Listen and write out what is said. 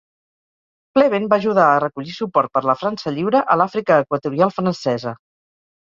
Pleven va ajudar a recollir suport per la França Lliure a l'Àfrica Equatorial francesa.